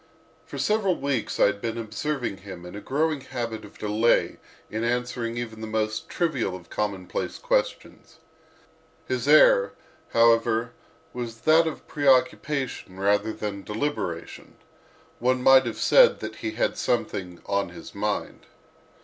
For several weeks I had been observing in him a growing habit of delay in answering even the most trivial of commonplace questions. His air, however, was that of preoccupation rather than deliberation: one might have said that he had "something on his mind."